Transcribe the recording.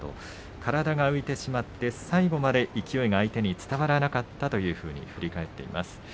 体が浮いてしまって最後まで勢いが相手に伝わらなかったと振り返っています。